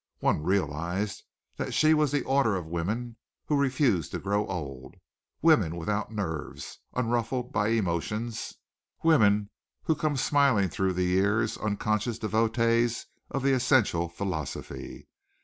One realized that she was of the order of women who refuse to grow old, women without nerves, unruffled by emotions, women who come smiling through the years, unconscious devotees of the essential philosophy.